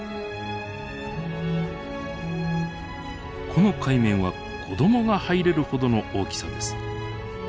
このカイメンは子どもが入れるほどの大きさです。